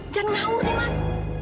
jangan ngawur deh mas